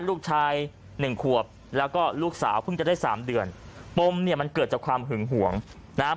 ลูกชายหนึ่งขวบแล้วก็ลูกสาวเพิ่งจะได้สามเดือนปมเนี่ยมันเกิดจากความหึงห่วงนะฮะ